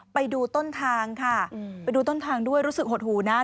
ไปดูต้นทางค่ะไปดูต้นทางด้วยรู้สึกหดหูนะ